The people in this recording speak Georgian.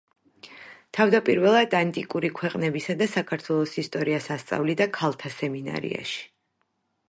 თავდაპირველად ანტიკური ქვეყნებისა და საქართველოს ისტორიას ასწავლიდა ქალთა სემინარიაში.